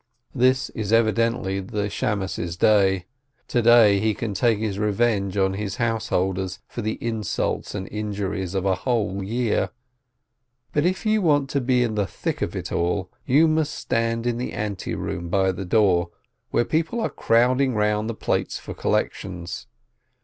This is evidently the beadle's day! To day he can take his revenge on his house holders for the insults and injuries of a whole year ! But if you want to be in the thick of it all, you must stand in the anteroom by the door, where people are crowding round the plates for collections.